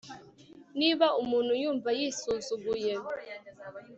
niba umuntu yumva yisuzuguye